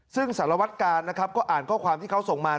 ซึ่งสารวัตกาลนะครับก็อ่านข้อความที่เขาส่งมา